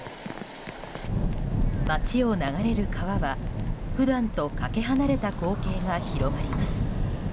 街を流れる川は普段とかけ離れた光景が広がります。